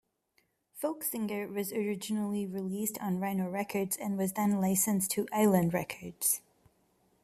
"Folksinger" was originally released on Rhino Records and was then licensed to Island Records.